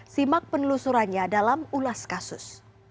simak penelusurannya dalam ulas kasus